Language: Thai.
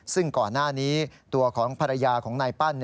ซึ่งก่อนหน้านี้ตัวของภรรยาของนายปั้น